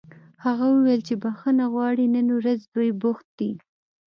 هغه وویل چې بښنه غواړي نن ورځ دوی بوخت دي